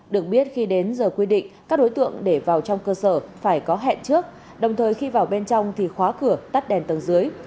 được biết khi đến giờ quy định các đối tượng để vào trong cơ sở phải có hẹn trước đồng thời khi vào bên trong thì khóa cửa tắt đèn tầng dưới